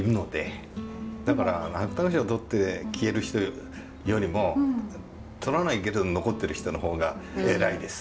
だから芥川賞取って消える人よりも取らないけど残ってる人の方が偉いです。